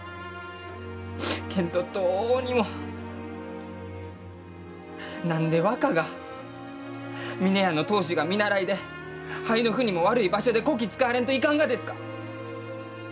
けんど、どうにも何で若が峰屋の当主が見習いで肺の腑にも悪い場所でこき使われんといかんがですか！